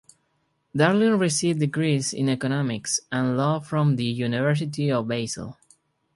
Darling received degrees in Economics and Law from the University of Basel.